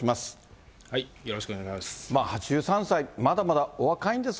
よろしくお願いします。